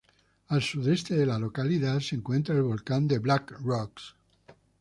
Al sudeste de la localidad se encuentra el volcán de Black Rocks.